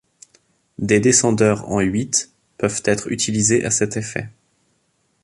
Des descendeurs en huit peuvent être utilisés à cet effet.